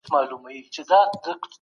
بهرنۍ پالیسي بې له پلان نه عملي کيږي.